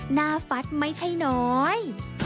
ฟัดไม่ใช่น้อย